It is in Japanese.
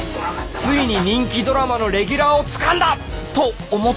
ついに人気ドラマのレギュラーをつかんだ！と思った